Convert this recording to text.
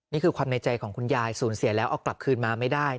นี่คือความในใจของคุณยายสูญเสียแล้วเอากลับคืนมาไม่ได้